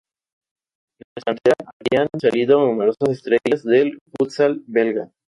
De su cantera habían salido numerosas estrellas del futsal belga.